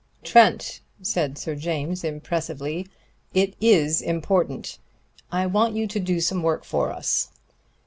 "Trent," said Sir James impressively, "it is important. I want you to do some work for us."